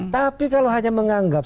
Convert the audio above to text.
tapi kalau hanya menganggap